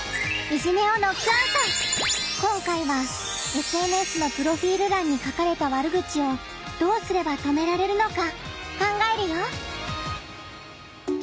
今回はＳＮＳのプロフィール欄に書かれた悪口をどうすれば止められるのか考えるよ！